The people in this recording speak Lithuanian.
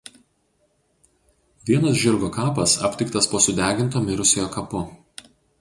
Vienas žirgo kapas aptiktas po sudeginto mirusiojo kapu.